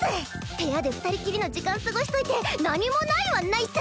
部屋で二人っきりの時間過ごしといて何もないはないっス。